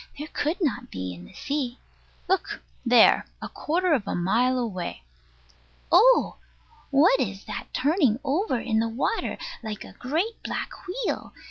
There could not be in the sea. Look there, a quarter of a mile away. Oh! What is that turning over in the water, like a great black wheel?